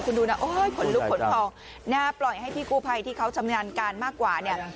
คุณดูนะโอ้ยขนลุกขนพองนะปล่อยให้พี่กู้ภัยที่เขาชำนาญการมากกว่าเนี่ย